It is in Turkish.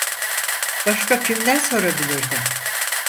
Başka kimden sorabilirdim?